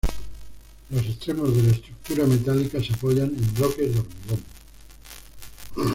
Los extremos de la estructura metálica se apoyan en bloques de hormigón.